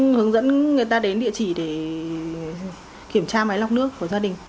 và tôi cũng hướng dẫn người ta đến địa chỉ để kiểm tra máy lọc nước của gia đình